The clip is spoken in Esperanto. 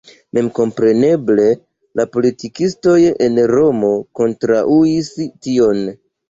Memkompreneble la politikistoj en Romo kontraŭis tion.